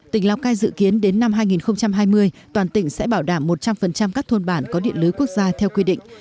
tỉnh lào cai dự kiến đến năm hai nghìn hai mươi toàn tỉnh sẽ bảo đảm một trăm linh các thôn bản có điện lưới quốc gia theo quy định